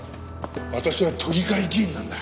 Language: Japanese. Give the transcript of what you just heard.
私は都議会議員なんだ。